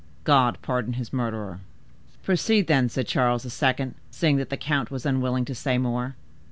God pardon his murderer!" "Proceed, then," said Charles II., seeing that the count was unwilling to say more.